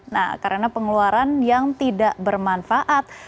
nah karena pengeluaran yang tidak bermanfaat